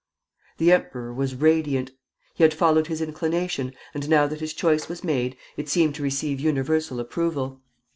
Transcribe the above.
The emperor was radiant. He had followed his inclination, and now that his choice was made, it seemed to receive universal approval.